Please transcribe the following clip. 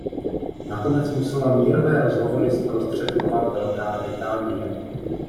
Nakonec musela mírové rozhovory zprostředkovat Velká Británie.